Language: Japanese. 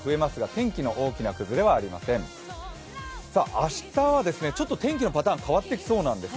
明日はちょっと天気のパターンが変わってきそうなんです。